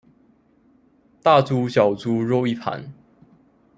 大豬小豬肉一盤